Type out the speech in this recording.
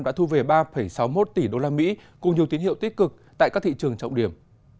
đã thu về ba sáu mươi một tỷ usd cùng nhiều tín hiệu tích cực tại các thị trường trọng điểm